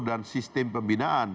dan sistem pembinaan